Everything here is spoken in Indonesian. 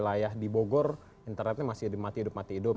wilayah di bogor internetnya masih mati hidup mati hidup